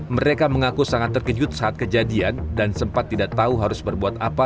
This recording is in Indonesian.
mereka mengaku sangat terkejut saat kejadian dan sempat tidak tahu harus berbuat apa